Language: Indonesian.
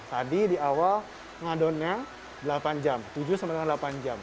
tadi di awal ngadonnya delapan jam tujuh sampai dengan delapan jam